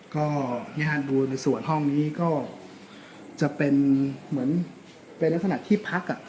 ก็นี่ฮะดูส่วนห้องนี้ก็จะเป็นเหมือนเป็นนักศนัดที่พักอ่ะ